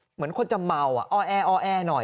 เหมือนคนจะเมาอ้อแอหน่อย